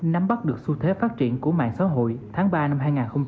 nắm bắt được xu thế phát triển của mạng xã hội tháng ba năm hai nghìn một mươi chín